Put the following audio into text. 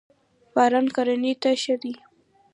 باران کرنی ته ښه دی.